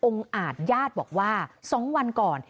อาจญาติบอกว่า๒วันก่อน